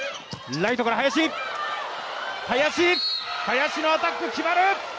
林のアタック、決まる！